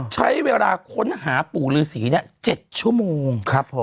ใช้เวลาค้นหาปู่ฤษี๗ชั่วโมง